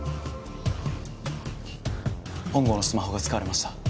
本郷のスマホが使われました。